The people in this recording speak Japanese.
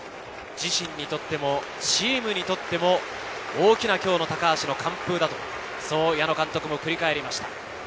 自身にとってもチームにとっても大きな今日の高橋の完封だと矢野監督も振り返りました。